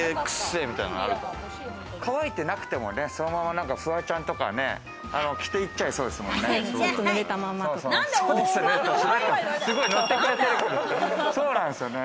乾いてなくてもね、そのままフワちゃんとかね、着て行っちゃいそうですもんね。